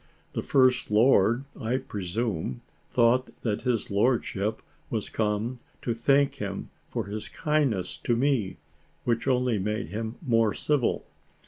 The First Lord, I presume, thought that his lordship was come to thank him for his kindness to me, which only made him more civil.